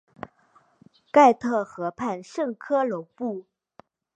盖特河畔圣科隆布。